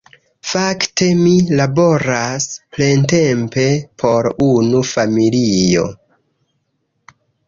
Fakte, mi laboras plentempe por unu familio.